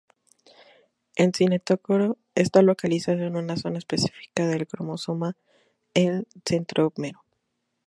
El cinetocoro está localizado en una zona específica del cromosoma, el centrómero.